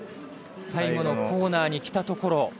最後のコーナーに来たところ。